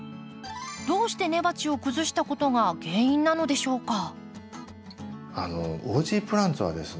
どうして根鉢を崩したことが原因なのでしょうか？